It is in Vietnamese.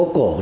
nên ông điểm